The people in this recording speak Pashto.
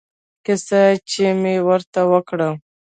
کيسه چې مې ورته وکړه.